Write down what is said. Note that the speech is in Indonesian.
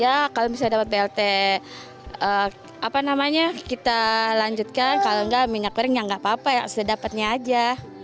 ya kalau bisa dapat blt apa namanya kita lanjutkan kalau nggak minyak gorengnya nggak apa apa ya sedapetnya aja